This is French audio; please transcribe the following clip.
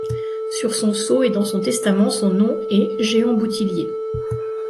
Sur son sceau et dans son testament, son nom est Jehan Boutillier.